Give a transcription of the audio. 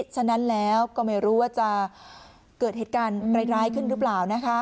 ฉะนั้นแล้วก็ไม่รู้ว่าจะเกิดเหตุการณ์ร้ายขึ้นหรือเปล่านะคะ